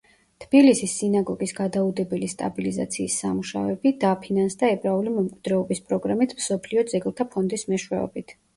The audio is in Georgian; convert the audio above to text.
თბილისის სინაგოგის გადაუდებელი სტაბილიზაციის სამუშაოები, დაფინანსდა ებრაული მემკვიდრეობის პროგრამით მსოფლიო ძეგლთა ფონდის მეშვეობით.